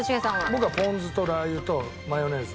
僕はポン酢とラー油とマヨネーズ。